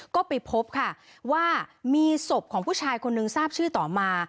ก็ไปพบค่ะว่ามีศพของผู้ชายคนนึงทราบชื่อต่อมา